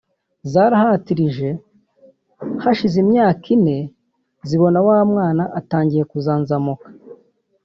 zarahatirije hashize imyaka ine zibona wa mwana atangiye kuzanzamuka